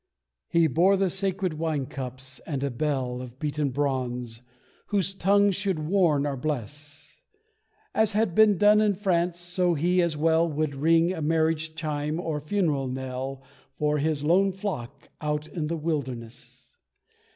He bore the sacred wine cups, and a bell Of beaten bronze, whose tongue should warn or bless; As had been done in France, so he as well Would ring a marriage chime or funeral knell For his lone flock, out in the wilderness.